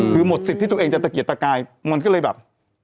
คือหมดสิทธิ์ที่ตัวเองจะตะเกียดตะกายมันก็เลยแบบ